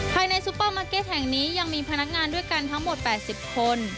ซุปเปอร์มาร์เก็ตแห่งนี้ยังมีพนักงานด้วยกันทั้งหมด๘๐คน